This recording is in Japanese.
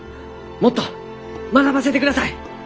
もっと学ばせてください！